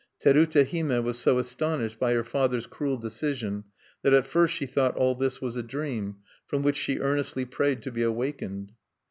Terute Hime was so astonished by her father's cruel decision that at first she thought all this was a dream, from which she earnestly prayed to be awakened.